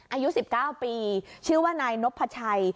อายุ๑๙ปีชื่อว่านายนพชัย